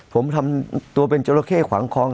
ผมทำตัวเป็นจราเข้ขวางคลอง